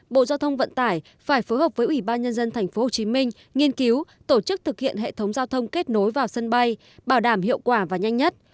bộ giao thông vận tải phải phối hợp với ủy ban nhân dân tp hcm nghiên cứu tổ chức thực hiện hệ thống giao thông kết nối vào sân bay bảo đảm hiệu quả và nhanh nhất